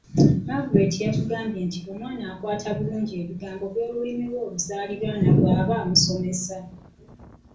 Margret yatugamba nti omwana akwata obulungi ebigambo by'Olulimi lwe oluzaaliranwa bw'aba amusomesa.